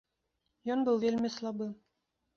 Ён быў вельмі слабы.